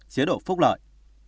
chế độ phúc lợi